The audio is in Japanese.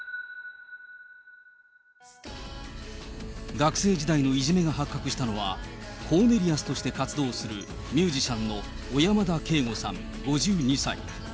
学生時代のいじめが発覚したのは、コーネリアスとして活動するミュージシャンの小山田圭吾さん５２歳。